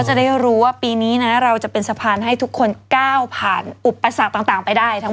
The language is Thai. จะได้รู้ว่าปีนี้นะเราจะเป็นสะพานให้ทุกคนก้าวผ่านอุปสรรคต่างไปได้